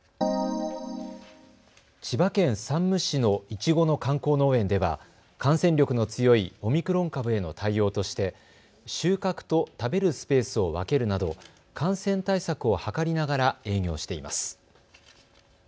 千葉県山武市のいちごの観光農園では感染力の強いオミクロン株への対応として収穫と食べるスペースを分けるなど感染対策を図りながら営業しています。